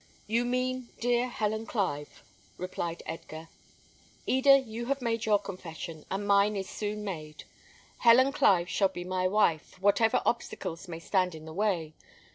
"You mean dear Helen Clive," replied Edgar. "Eda, you have made your confession; and mine is soon made. Helen Clive shall be my wife, whatever obstacles may stand in the way.